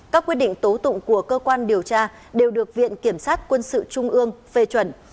các quyết định tố tụng của cơ quan điều tra đều được viện kiểm sát quân sự trung ương phê chuẩn